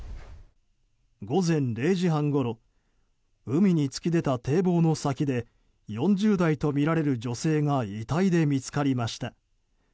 午前０時半ごろ海に突き出た堤防の先で４０代とみられる女性が遺体で見つかりました。